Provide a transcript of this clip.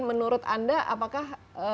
menurut anda apakah